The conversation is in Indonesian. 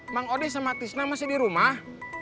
mang odeh sama tisna masih di rumah